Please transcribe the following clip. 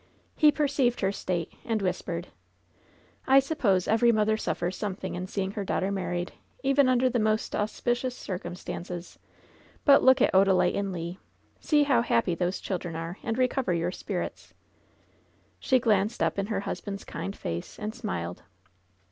He perceived her state, and whispered: "I suppose every mother suffers something in seeing her daughter married, even under the most auspicious circumstances ! But look at Odalite and Le ! See how happy those children are, and recover your spirits." She glanced up in her husband's kind face and smiled.